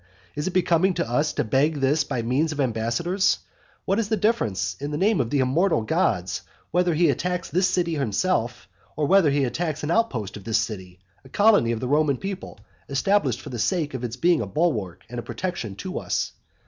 Is it becoming to us to beg this by means of ambassadors? What is the difference, in the name of the immortal gods, whether he attacks this city itself, or whether he attacks an outpost of this city, a colony of the Roman people, established for the sake of its being a bulwark and protection to us?